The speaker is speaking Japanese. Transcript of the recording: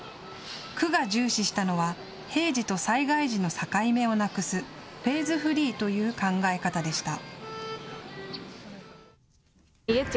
区が重視したのは平時と災害時の境目をなくすフェーズフリーという考え方でした。